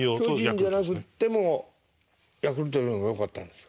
巨人じゃなくってもヤクルトでもよかったんですか。